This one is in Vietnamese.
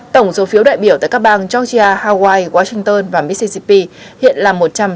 tổng số phiếu đại biểu tại các bang georgia hawaii washington và mississippi hiện là một trăm sáu mươi một